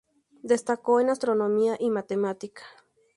Destacó en astronomía y matemática.